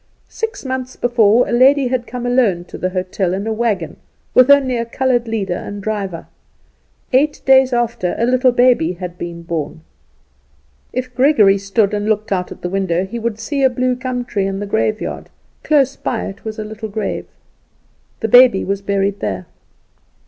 Six months before a lady had come alone to the hotel in a wagon, with only a coloured leader and driver. Eight days after a little baby had been born. If Gregory stood up and looked out at the window he would see a bluegum tree in the graveyard; close by it was a little grave. The baby was buried there.